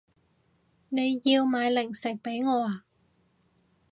你要買零食畀我啊